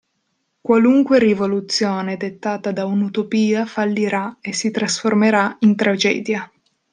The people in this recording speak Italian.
Qualunque rivoluzione dettata da un'utopia fallirà e si trasformerà in tragedia.